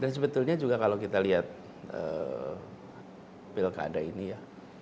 dan sebetulnya juga kalau kita lihat pilkada ini ya